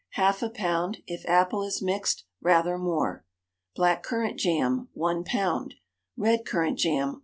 Half a pound; if apple is mixed, rather more. BLACK CURRANT JAM. One pound. RED CURRANT JAM.